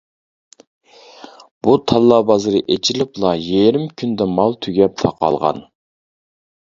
بۇ تاللا بازىرى ئېچىلىپلا يېرىم كۈندە مال تۈگەپ تاقالغان.